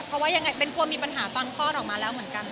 เพราะว่ายังไงเป็นความมีปัญหาต่างพ่อต่อมาแล้วเหมือนกันนะคะ